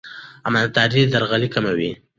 امانتداري درغلي کموي.